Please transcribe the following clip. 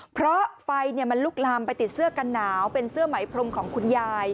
เพราะไฟมันลุกลามไปติดเสื้อกันหนาวเป็นเสื้อไหมพรมของคุณยาย